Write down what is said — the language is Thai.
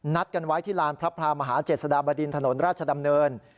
กันไว้ที่ลานพระพรามหาเจษฎาบดินถนนราชดำเนิน